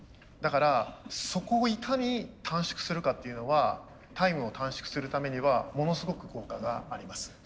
だからそこをいかに短縮するかっていうのはタイムを短縮するためにはものすごく効果があります。